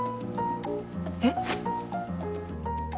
えっ？